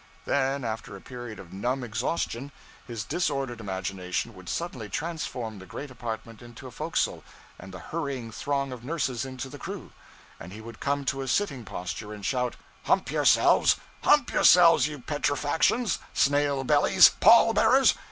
Then, after a period of dumb exhaustion, his disordered imagination would suddenly transform the great apartment into a forecastle, and the hurrying throng of nurses into the crew; and he would come to a sitting posture and shout, 'Hump yourselves, _hump _yourselves, you petrifactions, snail bellies, pall bearers!